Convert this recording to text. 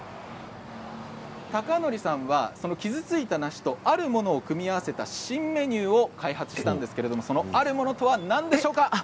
峰昇さんは傷ついた梨とあるものを組み合わせた新メニューを開発したんですがあるものとは何でしょうか。